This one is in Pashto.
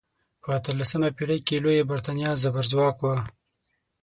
په اتلسمه پیړۍ کې لویه بریتانیا زبرځواک وه.